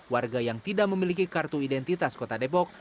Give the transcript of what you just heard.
warga yang tidak memiliki kartu identitas kota depok